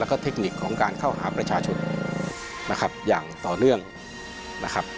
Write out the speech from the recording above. แล้วก็เทคนิคของการเข้าหาประชาชนนะครับอย่างต่อเนื่องนะครับ